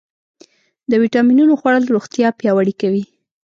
د ویټامینونو خوړل روغتیا پیاوړې کوي.